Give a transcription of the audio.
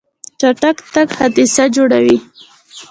چټک تګ حادثه جوړوي.